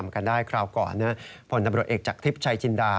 ครอบครั้งผลตำรวจเอกจากทริปชายชินดา